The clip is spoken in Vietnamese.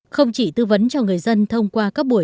không chỉ tư vấn cho người dân thông qua các buổi tuyên truyền